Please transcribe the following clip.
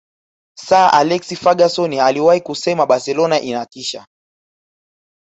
sir alex ferguson aliwahi kusema barcelona inatisha